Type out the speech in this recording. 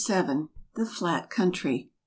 The Flat Country .